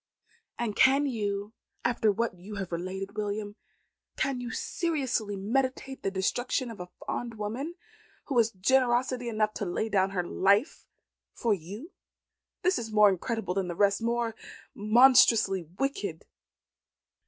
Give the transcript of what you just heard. "And can you, after what you have related, William, can you seriously meditate the destruction of a fond woman, who has generosity enough to lay down her life for you? This is more incredible than the rest more monstrously wicked."